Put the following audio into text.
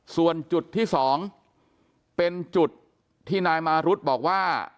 ส่วนจุดที่๒เป็นจุดที่นายมารุธบอกว่า